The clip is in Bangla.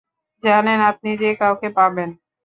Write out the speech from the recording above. জানেন আপনি যে কাউকে পাবেন।